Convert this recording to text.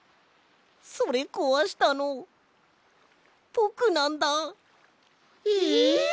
それこわしたのぼくなんだ！え？